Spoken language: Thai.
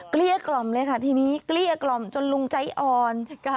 เกลี้ยกล่อมเลยค่ะทีนี้เกลี้ยกล่อมจนลุงใจอ่อน